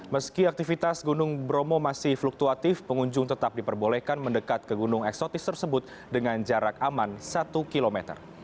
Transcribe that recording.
meski aktivitas gunung bromo masih fluktuatif pengunjung tetap diperbolehkan mendekat ke gunung eksotis tersebut dengan jarak aman satu km